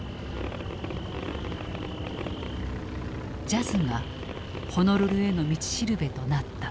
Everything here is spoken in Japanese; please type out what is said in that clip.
ジャズがホノルルへの道しるべとなった。